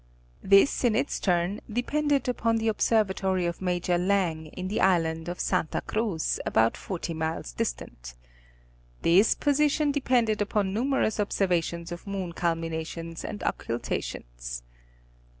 This in its turn depended upon the observatory of Major Lang in the Island of Santa Cruz about forty miles distant. This position depended upon numerous observations of moon culminations and occultations.